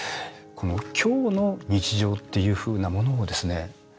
今日の日常っていうふうなものをですね